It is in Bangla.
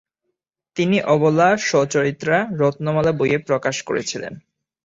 তিনি অবলা সচ্চরিত্রা রত্নমালা বইয়ে প্রকাশ করেছিলেন।